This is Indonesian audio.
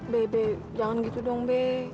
be be jangan gitu dong be